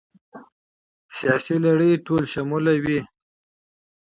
سیاسي پروسه ټولشموله وي